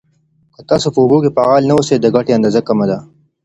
که تاسو په اوبو کې فعال نه اوسئ، د ګټې اندازه کمه ده.